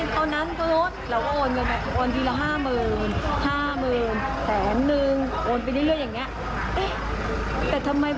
ตอนนั้นก็รู้นะ